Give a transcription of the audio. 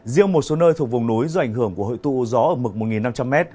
riêng một số nơi thuộc vùng núi do ảnh hưởng của hội tụ gió ở mực một năm trăm linh m